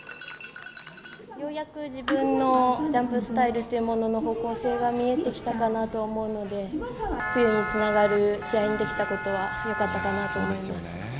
ようやく自分のジャンプスタイルというものの方向性が見えてきたかなと思うので、冬につながる試合にできたことはよかったかなと思います。